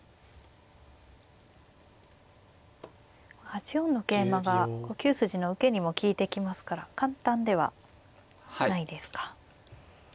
８四の桂馬が９筋の受けにも利いてきますから簡単ではないですか。